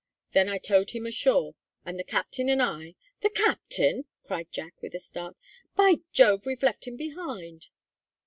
Then I towed him ashore, and the captain and I " "The captain!" cried Jack with a start. "By Jove, we've left him behind!"